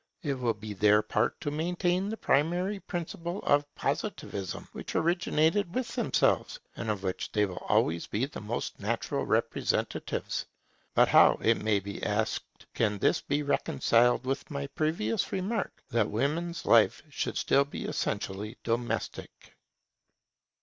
It will be their part to maintain the primary principle of Positivism, which originated with themselves, and of which they will always be the most natural representatives. But, how, it may be asked, can this be reconciled with my previous remark that women's life should still be essentially domestic?